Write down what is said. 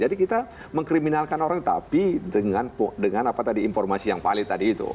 jadi kita mengkriminalkan orang tapi dengan informasi yang valid tadi itu